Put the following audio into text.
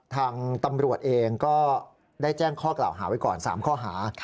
ทางตำรวจเองก็ได้แจ้งข้อกล่าวหาไว้ก่อน๓ข้อหา